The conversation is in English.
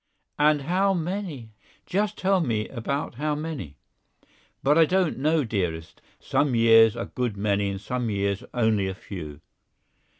"About how many? Just tell me about how many." "But I don't know, dearest. Some years a good many, and some years only a few."